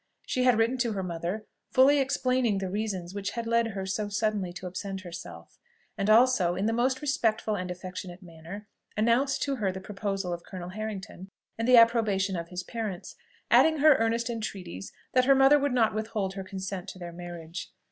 She had written to her mother, fully explaining the reasons which had led her so suddenly to absent herself; and also, in the most respectful and affectionate manner, announced to her the proposal of Colonel Harrington and the approbation of his parents, adding her earnest entreaties that her mother would not withhold her consent to their marriage.